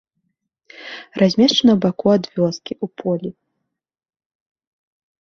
Размешчана ў баку ад вёскі, у полі.